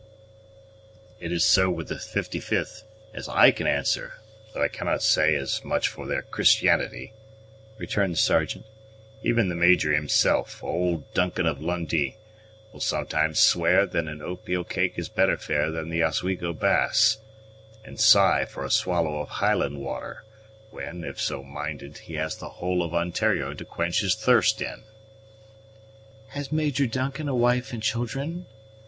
"It is so with the 55th, as I can answer, though I cannot say as much for their Christianity," returned the Sergeant. "Even the major himself, old Duncan of Lundie, will sometimes swear that an oatmeal cake is better fare than the Oswego bass, and sigh for a swallow of Highland water, when, if so minded, he has the whole of Ontario to quench his thirst in." "Has Major Duncan a wife and children?"